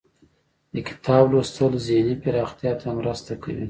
د کتاب لوستل ذهني پراختیا ته مرسته کوي.